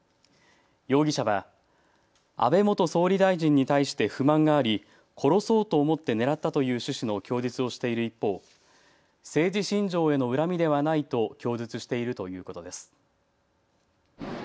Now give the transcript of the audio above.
容疑者は安倍元総理大臣に対して不満があり殺そうと思って狙ったという趣旨の供述をしている一方、政治信条への恨みではないと供述しているということです。